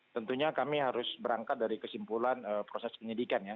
tentunya kami harus berangkat dari kesimpulan proses penyidikan ya